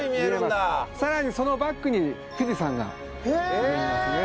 さらにそのバックに富士山が見えますね。